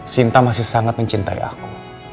sinta masih sangat mencintai aku